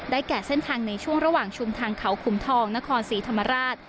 แก่เส้นทางในช่วงระหว่างชุมทางเขาขุมทองนครศรีธรรมราช